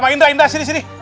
eh indra indra sini sini